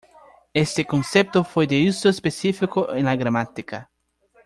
Este concepto fue de uso específico en la gramática.